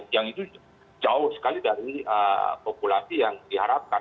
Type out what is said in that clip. yang itu jauh sekali dari populasi yang diharapkan